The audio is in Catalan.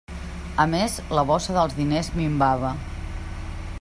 A més, la bossa dels diners minvava.